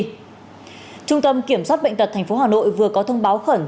trung tâm kiểm soát bệnh tật thành phố hà nội vừa có thông báo khẩn